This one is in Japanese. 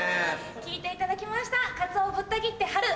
聴いていただきました。